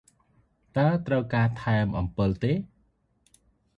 តើត្រូវការថែមអំពិលទេ?